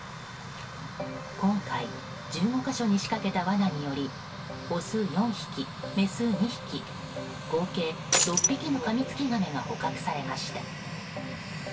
今回、１５か所に仕掛けた罠によりオス４匹、メス２匹合計６匹のカミツキガメが捕獲されました。